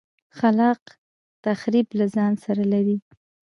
خلاق تخریب له ځان سره لري.